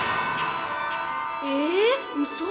え、うそ。